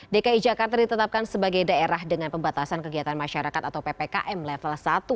dki jakarta ditetapkan sebagai daerah dengan pembatasan kegiatan masyarakat atau ppkm level satu